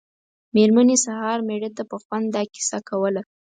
مېرمنې سهار مېړه ته په خوند دا کیسه کوله.